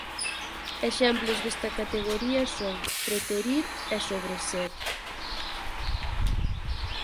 Exemplos desta categoría son "preterir" e "sobreser".